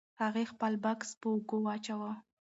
هغې خپل بکس په اوږه واچاوه.